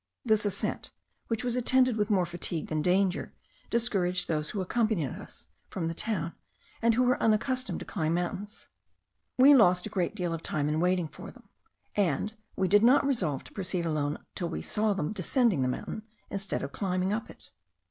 This ascent, which was attended with more fatigue than danger, discouraged those who accompanied us from the town, and who were unaccustomed to climb mountains. We lost a great deal of time in waiting for them, and we did not resolve to proceed alone till we saw them descending the mountain instead of climbing up it.